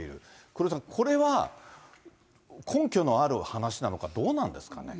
黒井さん、これは根拠のある話なのか、どうなんですかね。